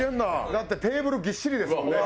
だってテーブルぎっしりですもんね。